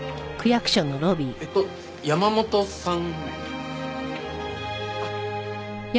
えっと山本さん。